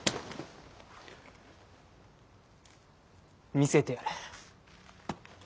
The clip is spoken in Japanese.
見せてやれ。